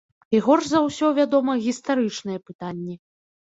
І горш за ўсё, вядома, гістарычныя пытанні.